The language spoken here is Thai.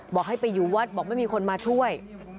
บอกให้ไปอยู่วัดบอกไม่มีคนมาช่วย